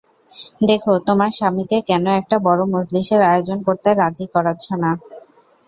দেখো, তোমার স্বামীকে কেন একটা বড় মজলিশের আয়োজন করতে রাজি করাচ্ছ না?